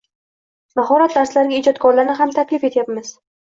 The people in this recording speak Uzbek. Mahorat darslariga ijodkorlarni ham taklif etyapmiz.